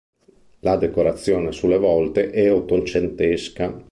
La decorazione sulle volte è ottocentesca.